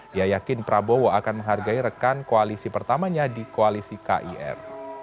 dia yakin prabowo akan menghargai rekan koalisi pertamanya di koalisi kir